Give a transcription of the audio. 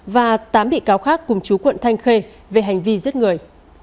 và tám bị cáo khác cùng chú quận thanh khê về hành vi giết người